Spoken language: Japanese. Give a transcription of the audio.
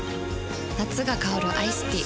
夏が香るアイスティー